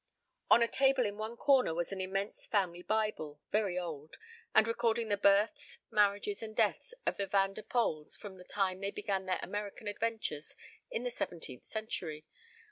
On a table in one corner was an immense family Bible, very old, and recording the births, marriages, and deaths of the Van den Poeles from the time they began their American adventures in the seventeenth century.